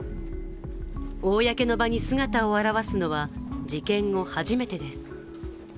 公の場に姿を現すのは、事件後初めてです。